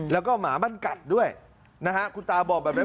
แล้วก็หมามันกัดด้วยนะฮะคุณตาบอกแบบนั้น